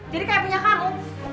jadi kayak punya kamu